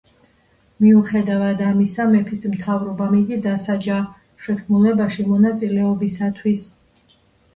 მიუხედავად ამისა, მეფის მთავრობამ იგი დასაჯა შეთქმულებაში მონაწილეობისათვის.